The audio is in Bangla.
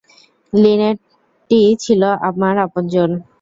লিনেটই ছিল আমার আপনজন।